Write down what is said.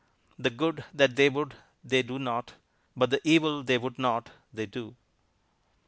The good that they would they do not; But the evil they would not they do.